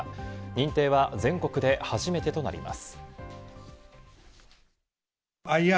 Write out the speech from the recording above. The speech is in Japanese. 認定は全国で初めてとなります。